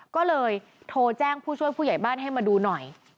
ก็เลยโทรแจ้งผู้ช่วยผู้ใหญ่บ้านให้มาดูหน่อย